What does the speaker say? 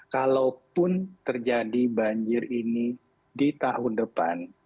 kalaupun terjadi banjir ini di tahun depan